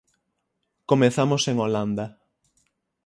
Comezamos en Holanda.